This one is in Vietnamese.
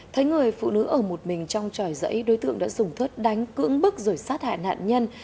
thấy người phụ nữ ở một mình trong tròi dãy đối tượng đã dùng thớt đánh cưỡng bức rồi sát hại nạn nhân